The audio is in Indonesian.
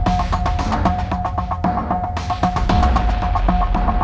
bumilah semua permintaan bumilah sudah sangat keterlaluan